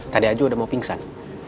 tadi aju udah mau pingsan